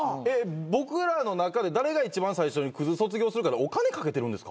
僕らの中で誰が一番最初にクズ卒業するかでお金賭けてるんですか？